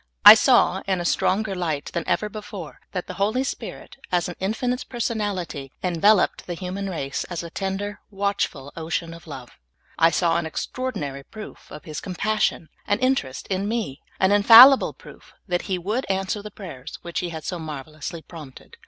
I saw, in a stronger light than ever before, that the Holy Spirit, as an infinite personality, enveloped the human race as a tender, \vatchful ocean of love ; I saw an extraordinary proof of His compassion and interest in me, an infallible proof that He would answer the prayers which He had so marvelously prompted.